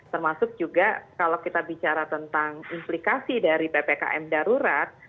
termasuk juga kalau kita bicara tentang implikasi dari ppkm darurat